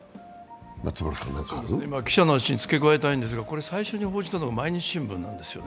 記者の話に付け加えたいんですが最初に報じたのは毎日新聞なんですね。